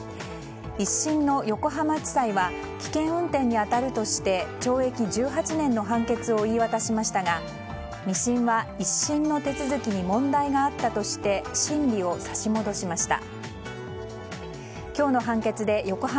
１審の横浜地裁は危険運転に当たるとして懲役１８年の判決を言い渡しましたが２審は、１審の手続きに問題があったとして審理を差し戻しました。